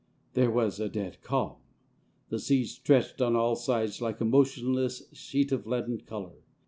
There was a dead calm. The sea stretched on all sides like a motionless sheet of leaden colour.